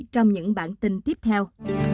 trong những bản tin tiếp theo